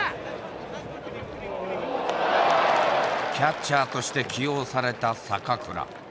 キャッチャーとして起用された坂倉。